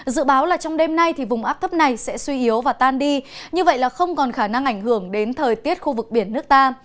dự báo là trong đêm nay thì vùng áp thấp này sẽ suy yếu và tan đi như vậy là không còn khả năng ảnh hưởng đến thời tiết khu vực biển nước ta